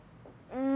うん。